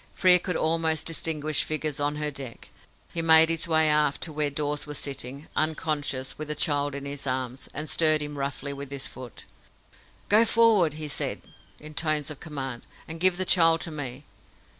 Frere could almost distinguish figures on her deck. He made his way aft to where Dawes was sitting, unconscious, with the child in his arms, and stirred him roughly with his foot. "Go forward," he said, in tones of command, "and give the child to me."